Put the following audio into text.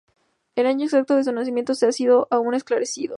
El año exacto de su nacimiento no ha sido aun esclarecido.